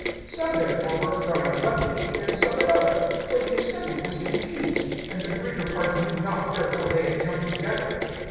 (32)Some therefore were crying one thing, and some another; for the assembly was confused, and the greater part knew not wherefore they had come together.